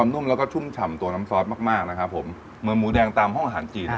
ซอสมากนะครับผมเหมือนหมูแดงตามห้องอาหารจีน